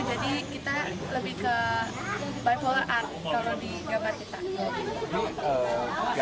jadi kita lebih ke bipolar art kalau di gambar kita